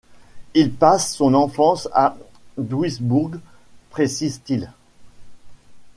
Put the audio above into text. Il passe son enfance à Duisbourg, précise-t-il.